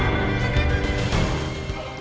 aduh makasih sekali kamu pulang